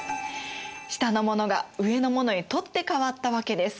下の者が上の者へ取って代わったわけです。